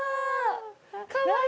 かわいい。